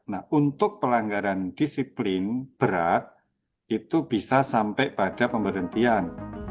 nah untuk pelanggaran disiplin berat itu bisa sampai pada pemberhentian